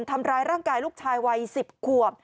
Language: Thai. ทำร้ายร่างกายลูกชายวัย๑๐ขวบ